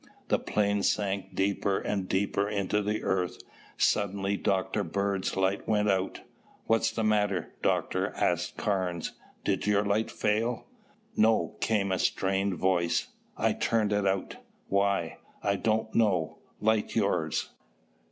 The plane sank deeper and deeper into the earth. Suddenly Dr. Bird's light went out. "What's the matter, Doctor?" asked Carnes, "did your light fail?" "No," came a strained voice. "I turned it out." "Why?" "I don't know. Light yours."